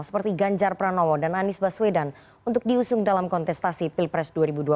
seperti ganjar pranowo dan anies baswedan untuk diusung dalam kontestasi pilpres dua ribu dua puluh